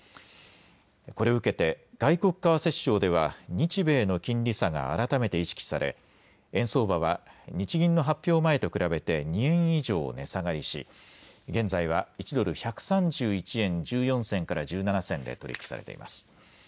これを受けて外国為替市場では日米の金利差が改めて意識され円相場は日銀の発表前と比べて２円以上値下がりし現在は１ドル１３１円１４銭から１７銭で取り引きされます。